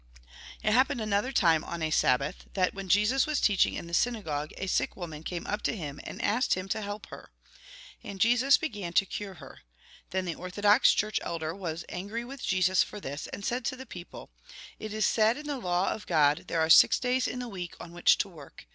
It happened another time, on a Sabbath, that, when Jesus was teaching in the synagogue, a sick woman came up to him and asked him to help her. And Jesus began to cure her. Then the orthodox church ekler was angry with Jesus for this, and said to the people :" It is said in the law of God : There are six days in the week on which to work."